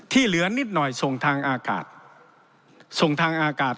ที่เหลือนิดหน่อยส่งทางอากาศ